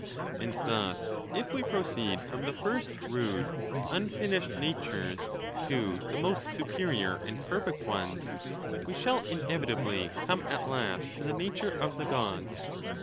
And thus, if we proceed from tlie first rude, unfinished natures to the most superior and perfect ones, we shall in evitably come at last to the nature of the Gods.